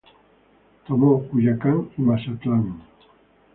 Tomó Culiacán y Mazatlán.